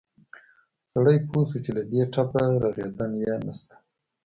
سړى پوى شو چې له دې ټپه رغېدن يې نه شته.